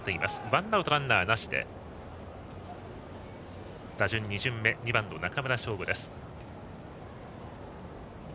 ワンアウトランナーなしで打順２巡目、２番の中村奨吾です。